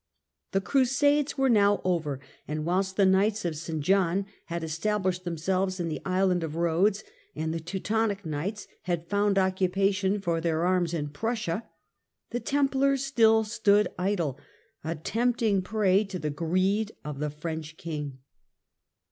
The Crusades were now over, and whilst the Knights of St. John had established themselves in the Island of Ehodes, and the Teutonic Knights had found occupation for their arms in Prussia, the Templars still stood idle, a tempting prey to the greed of the French King.